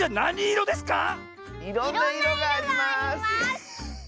いろんないろがあります！